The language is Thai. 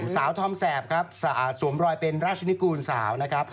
สาวท่อมแสบสวมรอยเป็นราชนิกูลเสา